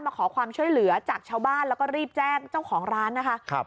มาขอความช่วยเหลือจากชาวบ้านแล้วก็รีบแจ้งเจ้าของร้านนะคะครับ